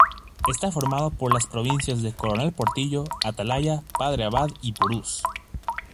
Está formado por las provincias de Coronel Portillo, Atalaya, Padre Abad y Purús.